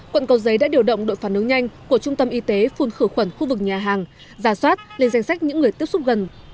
quận cầu giấy đã điều động đội phản ứng nhanh của trung tâm y tế phun khử khuẩn khu vực nhà hàng giả soát lên danh sách những người tiếp xúc gần